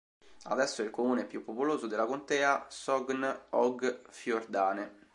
Adesso è il comune più popoloso della contea Sogn og Fjordane.